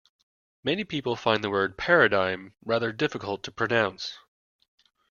Many people find the word paradigm rather difficult to pronounce